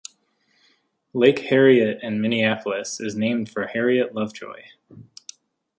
Lake Harriet in Minneapolis is named for Harriet Lovejoy.